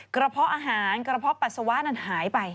เพาะอาหารกระเพาะปัสสาวะนั้นหายไป